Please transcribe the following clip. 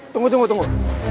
tunggu tunggu tunggu